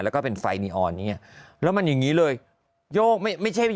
แล้วก็เป็นไฟนีออนอย่างเงี้ยแล้วมันอย่างงี้เลยโยกไม่ไม่ใช่